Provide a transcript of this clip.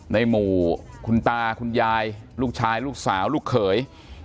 ในหมู่คุณตาคุณยายลูกชายลูกสาวลูกเขย